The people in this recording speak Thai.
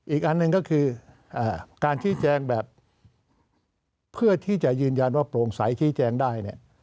อีกอันหนึ่งก็คือการชี้แจงแบบเพื่อที่จะยืนยันว่าโปร่งใสชี้แจงได้เนี่ย